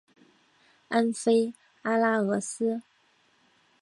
安菲阿拉俄斯。